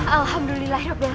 alhamdulillah ya allah